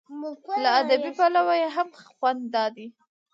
له ادبي پلوه یې هم خوند دا دی.